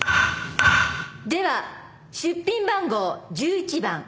では出品番号１１番。